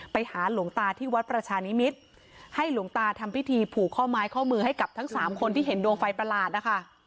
ไปหาหลวงตาที่วัดประชานิมิตรให้หลวงตาทำพิธีผูกข้อไม้ข้อมือให้กับทั้งสามคนที่เห็นดวงไฟประหลาดนะคะ